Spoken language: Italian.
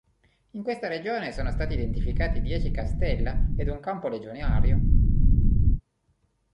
In questa regione sono stati identificati dieci castella ed un campo legionario.